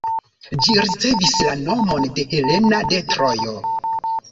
Ĝi ricevis la nomon de Helena de Trojo.